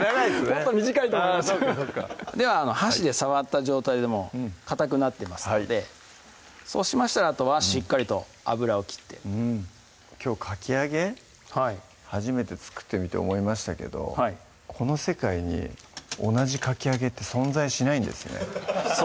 もっと短いと思いましたでは箸で触った状態でもかたくなっていますのでそうしましたらあとはしっかりと油を切ってきょうかき揚げ初めて作ってみて思いましたけどこの世界に同じかき揚げって存在しないんですね